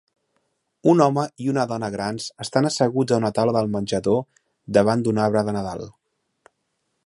Un home i una dona grans estan asseguts a una taula de menjador davant d'un arbre de Nadal.